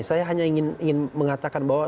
saya hanya ingin mengatakan bahwa